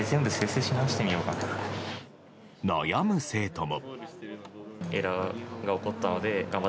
悩む生徒も。